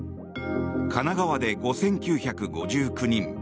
神奈川で５９５９人